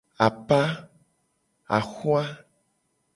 Apa.